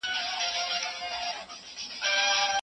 د مالدارۍ محصولات چیرته پلورل کېږي؟